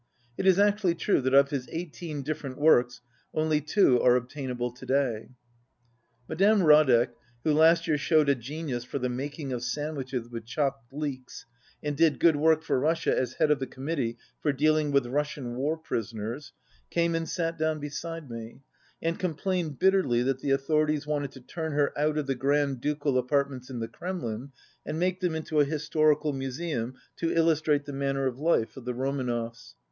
It is actually true that of his eighteen different works, only two are obtainable to day. Madame Radek, who last year showed a genius for the making of sandwiches with chopped leeks, and did good work for Russia as head of the Com mittee for dealing with Russian war prisoners, came and sat down beside me, and complained bitterly that the authorities wanted to turn her out of the grand ducal apartments in the Kremlin and make them into a historical museum to illus trate the manner of life of the Romanovs.